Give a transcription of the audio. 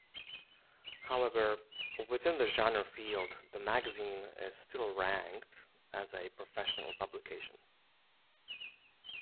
However, within the genre field the magazine is still ranked as a professional publication.